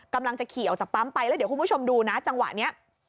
กำลังจะขี่ออกจากปั๊มไปแล้วเดี๋ยวคุณผู้ชมดูนะจังหวะนี้